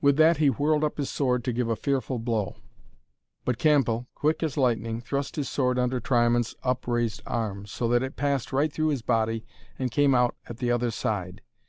With that he whirled up his sword to give a fearful blow. But Cambell, quick as lightning, thrust his sword under Triamond's upraised arm, so that it passed right through his body and came out at the other side.